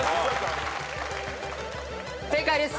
正解です。